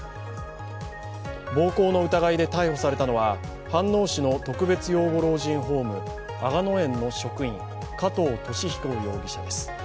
暴行の疑いで逮捕されたのは、飯能市の特別養護老人ホーム、吾野園の職員、加藤肇彦容疑者です。